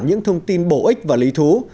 những thông tin bổ ích và lý thú